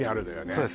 そうです